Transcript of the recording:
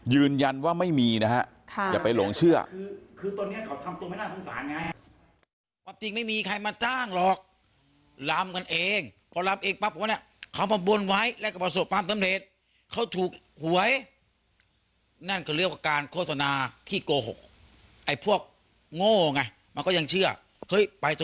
ยืนยันว่าไม่มีนะฮะอย่าไปหลงเชื่อ